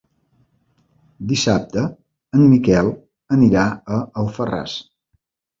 Dissabte en Miquel anirà a Alfarràs.